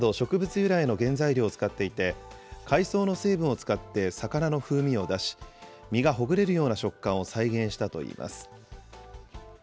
由来の原材料を使っていて、海藻の成分を使って魚の風味を出し、身がほぐれるような食感を再現したといいます。